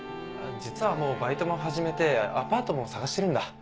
実はもうバイトも始めてアパートも探してるんだ。